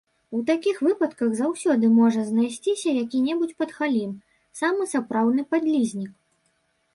У такіх выпадках заўсёды можа знайсціся які-небудзь падхалім, самы сапраўдны падлізнік.